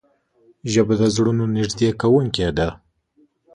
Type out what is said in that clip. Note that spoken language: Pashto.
ژبه د زړونو نږدې کوونکې ده